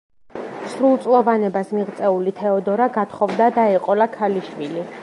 სრულწლოვანებას მიღწეული თეოდორა გათხოვდა და ეყოლა ქალიშვილი.